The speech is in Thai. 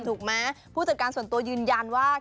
ถูกไหมผู้จัดการส่วนตัวยืนยันว่า